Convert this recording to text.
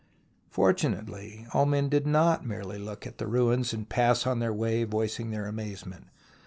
Fortunately, all men did not merely look at the ruins and pass on their way voicing their amaze ment.